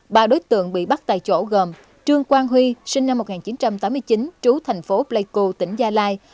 ba đối tượng bị bắt tại chỗ gồm trương quang huy sinh năm một nghìn chín trăm tám mươi chín trú thành phố pleiku tỉnh gia lai